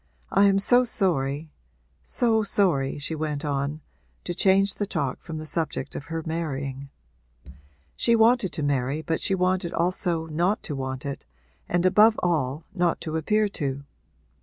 I am so sorry so sorry,' she went on, to change the talk from the subject of her marrying. She wanted to marry but she wanted also not to want it and, above all, not to appear to.